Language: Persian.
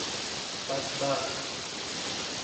بد بخت